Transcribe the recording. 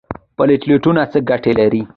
پلیټلیټونه څه ګټه لري؟